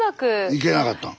いけなかったん？